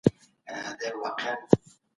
انسان ته په مځکه کي واک ورکړل سوی دی.